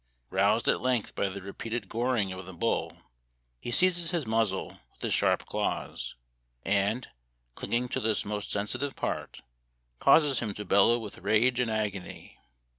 Roused at length by the repeated goring of the bull, he seizes his muzzle with his sharp claws, and, clinging to this most sensitive part, causes him to bellow with rage and agony.